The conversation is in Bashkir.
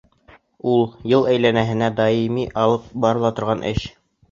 Ул — йыл әйләнәһенә даими алып барыла торған эш.